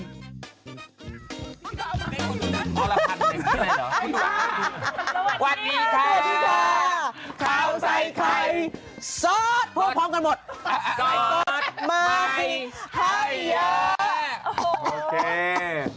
สวัสดีค่ะข่าวใส่ไข่สอดพวกพร้อมกันหมดสอดมาสิไฮเลนเดอร์